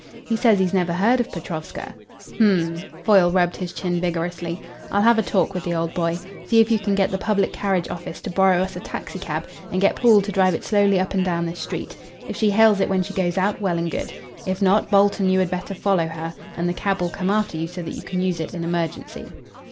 He says he's never heard of Petrovska." "H'm." Foyle rubbed his chin vigorously. "I'll have a talk with the old boy. See if you can get the Public Carriage Office to borrow us a taxicab, and get Poole to drive it slowly up and down this street. If she hails it when she goes out, well and good. If not, Bolt and you had better follow her, and the cab will come after you so that you can use it in emergency."